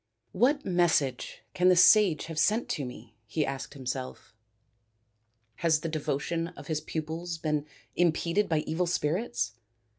" What message can the sage have sent to me ?" he asked himself. " Has the devotion of his pupils been impeded by evil spirits